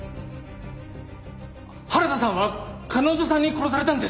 原田さんは彼女さんに殺されたんです！